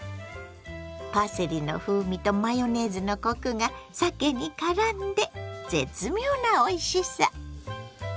パセリの風味とマヨネーズのコクがさけにからんで絶妙なおいしさ。